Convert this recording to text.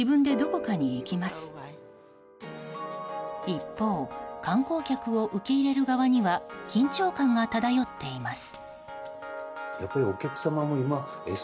一方観光客を受け入れる側には緊張感が漂っています。